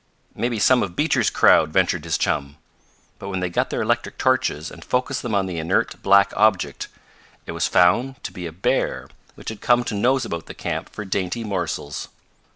"Maybe some of Beecher's crowd," ventured his chum. But when they got their electric torches, and focused them on the inert, black object, it was found to be a bear which had come to nose about the camp for dainty morsels.